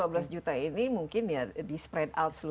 tapi dua belas juta ini mungkin ya di spread out seluruh